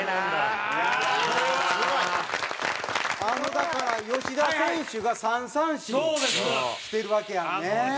だから吉田選手が３三振してるわけやんね。